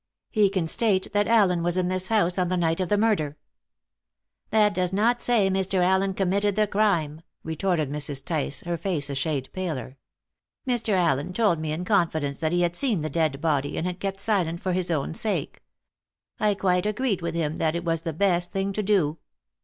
"He can state that Allen was in this house on the night of the murder." "That does not say Mr. Allen committed the crime," retorted Mrs. Tice, her face a shade paler. "Mr. Allen told me in confidence that he had seen the dead body, and had kept silent for his own sake. I quite agreed with him that it was the best thing to do.